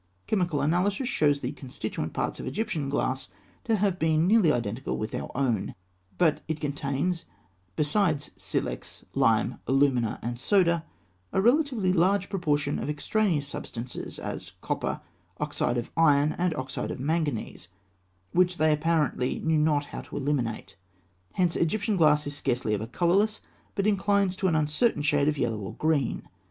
Chemical analysis shows the constituent parts of Egyptian glass to have been nearly identical with our own; but it contains, besides silex, lime, alumina, and soda, a relatively large proportion of extraneous substances, as copper, oxide of iron, and oxide of manganese, which they apparently knew not how to eliminate. Hence Egyptian glass is scarcely ever colourless, but inclines to an uncertain shade of yellow or green.